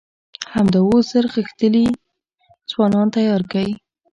همدا اوس زر غښتلي ځوانان تيار کئ!